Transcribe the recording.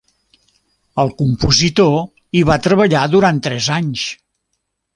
El compositor hi va treballar durant tres anys.